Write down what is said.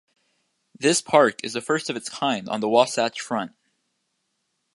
This park is the first of its kind on the Wasatch Front.